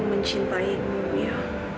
aku mencintaimu ya